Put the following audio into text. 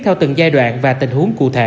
theo từng giai đoạn và tình huống cụ thể